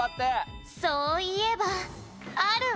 「そういえばあるわ」